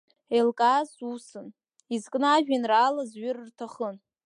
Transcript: Еилкааз усын, изкны ажәеинраала зҩыр рҭахын.